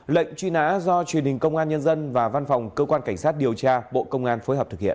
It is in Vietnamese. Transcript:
lệnh truy nã do truyền hình công an nhân dân và văn phòng cơ quan cảnh sát điều tra bộ công an phối hợp thực hiện